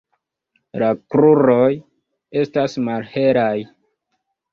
La kruroj estas malhelaj.